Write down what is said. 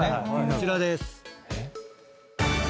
こちらです。